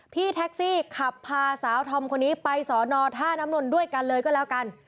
พี่แท็กซี่ขับพาสาวธอมคนนี้ไปสอนอท่าน้ำนนท์ด้วยกันเลยก็แล้วกัน